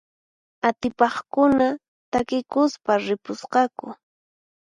Atipaqkuna takikuspa ripusqaku.